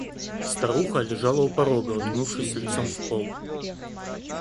Старуха лежала у порога, уткнувшись лицом в пол.